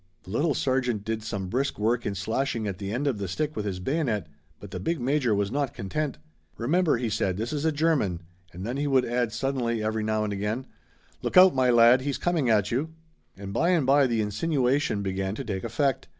The little sergeant did some brisk work in slashing at the end of the stick with his bayonet but the big major was not content. "Remember," he said, "this is a German," and then he would add suddenly every now and again: "Look out, my lad he's coming at you!" And bye and bye the insinuation began to take effect.